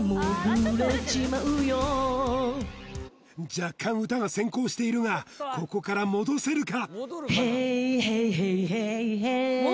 若干歌が先行しているがここから戻せるか？